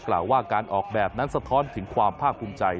กล่าวว่าการออกแบบนั้นสะท้อนถึงความภาคภูมิใจ